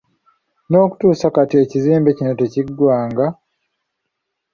N'okutuusa kati ekizimbe kino tekiggwanga!